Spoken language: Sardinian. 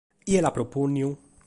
Chie l’at propònnidu?